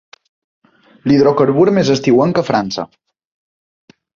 L'hidrocarbur més estiuenc a França.